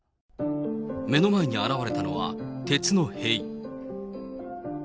目の前に現れたのは、鉄の塀。